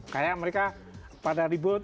kayak mereka pada ribut